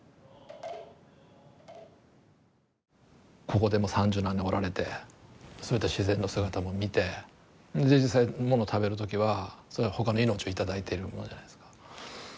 ここでもう三十何年おられてそういった自然の姿も見て実際もの食べる時はそれは他の命を頂いてるものじゃないですか。